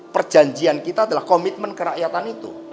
perjanjian kita adalah komitmen kerakyatan itu